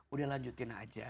udah lanjutin aja